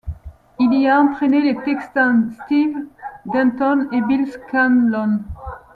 Il y a entrainé les Texans Steve Denton et Bill Scanlon.